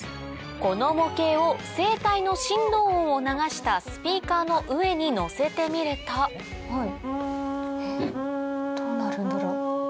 この模型を声帯の振動音を流したスピーカーの上に乗せてみるとどうなるんだろう？